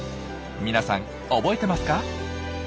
皆さん覚えてますか？